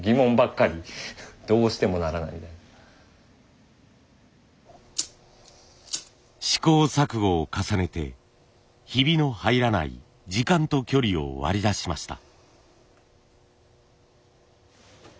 「何で？」っていう試行錯誤を重ねてヒビの入らない時間と距離を割り出しました。